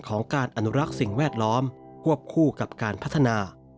ของการอนุรักษ์สิ่งแวดล้อมควบคู่กับการพัฒนา